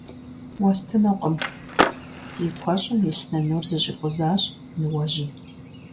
Уэстынукъым! – и куэщӀым илъ нынур зэщӀикъузащ ныуэжьым.